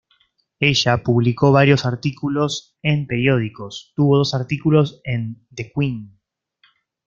Ella publicó varios artículos en periódicos, tuvo dos artículos en "The Queen".